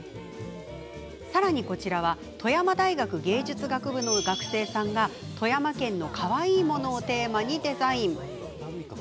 さらに、こちらは富山大学芸術学部の学生さんが富山県のかわいいものをテーマにデザイン。